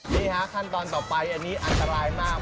นี่ฮะขั้นตอนต่อไปอันนี้อันตรายมาก